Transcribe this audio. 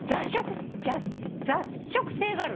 雑食性がある。